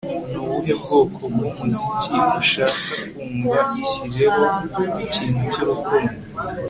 Ni ubuhe bwoko bwumuziki ushaka kumva Ishyireho ikintu cyurukundo